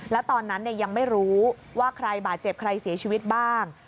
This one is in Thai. แล้วตอนนั้นยังไม่รู้ว่าใครบาดเจ็บใครเสียชีวิตบ้าง